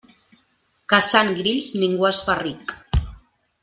Caçant grills ningú es fa ric.